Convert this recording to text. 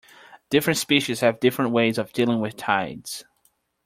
Different species have different ways of dealing with tides.